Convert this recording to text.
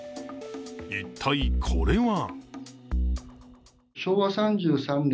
一体、これは？